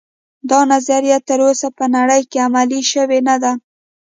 دا نظریه تر اوسه په نړۍ کې عملي شوې نه ده